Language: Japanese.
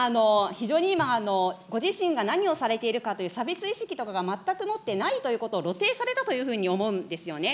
非常に今、ご自身が何をされているかという差別意識とかが全くもってないということを露呈されたと思うんですよね。